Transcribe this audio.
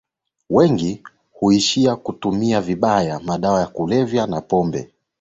wengi huishia kutumia vibaya madawa ya kulevya na pombe ili